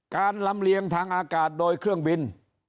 ลำเลียงทางอากาศโดยเครื่องบิน